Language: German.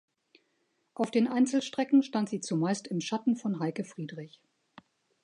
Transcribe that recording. Auf den Einzelstrecken stand sie zumeist im Schatten von Heike Friedrich.